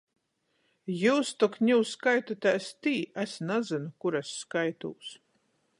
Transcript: Jius tok niu skaitotēs tī. Es nazynu, kur es skaitūs.